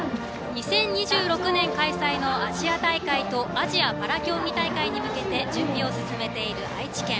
２０２６年開催のアジア大会とアジアパラ競技大会に向けて準備を進めている愛知県。